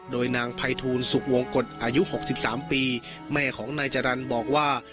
โดยนางภัยทูลสุขวงกฎอายุ๖๓ปีแม่ของนายจรรย์บอกว่า